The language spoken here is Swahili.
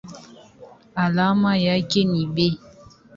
Alama yake ni Be.